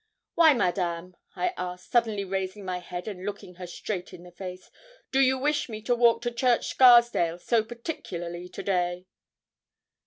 'Why, Madame,' I asked, suddenly raising my head and looking her straight in the face, 'do you wish me to walk to Church Scarsdale so particularly to day?'